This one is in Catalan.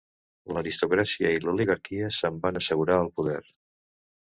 L'aristocràcia i l'oligarquia se'n van assegurar el poder.